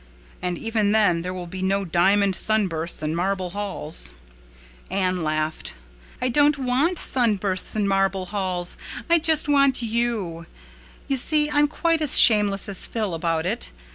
And even then there will be no diamond sunbursts and marble halls." Anne laughed. "I don't want sunbursts and marble halls. I just want you. You see I'm quite as shameless as Phil about it.